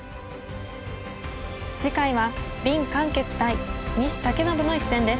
次回は林漢傑対西健伸の一戦です。